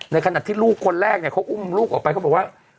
ในขณะที่ลูกคนแรกเนี่ยเขาอุ้มลูกออกไปเขาบอกว่า